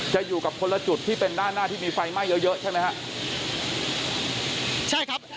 จะอยู่กับคนละจุดที่เป็นด้านหน้าที่มีไฟไหม้เยอะเยอะใช่ไหมฮะใช่ครับ